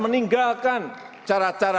melibat dengan masalah